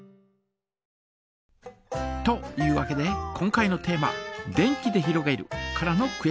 というわけで今回のテーマ「電気でひろげる」からのクエスチョン！